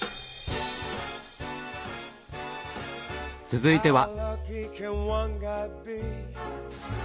続いては。